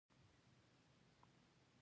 اوړي د افغانستان د پوهنې نصاب کې شامل دي.